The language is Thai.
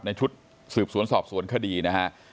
ในชุดสูบสอนสอบสวนคดีนะฮะอ่า